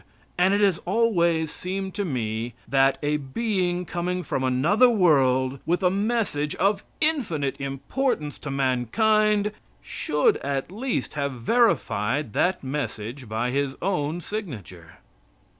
And it has always seemed to me that a Being coming from another world, with a message of infinite importance to mankind, should at least have verified that message by his own signature.